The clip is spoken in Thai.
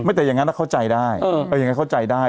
แต่อย่างนั้นเข้าใจได้อย่างนั้นเข้าใจได้